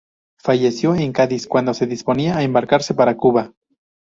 Falleció en Cádiz cuando se disponía a embarcarse para Cuba.